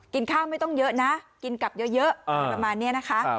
กินข้าวไม่ต้องเยอะนะกินกลับเยอะประมาณนี้นะคะ